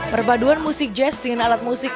perpaduan musik jazz dengan alat musik